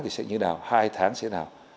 thì sẽ như nào hai tháng sẽ nào